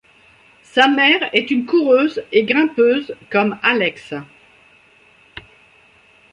Sa mère est une coureuse et grimpeuse comme Alex.